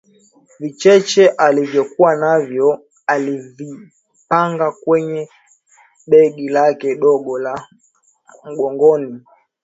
Vichache alivyokuwa navyo alivipanga kwenye begi lake dogo la mgongoni